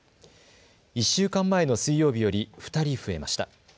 １週間前の水曜日より２人増えました。